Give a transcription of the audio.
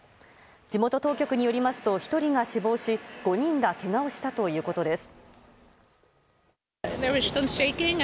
地元当局によりますと１人が死亡し５人がけがをしたということです。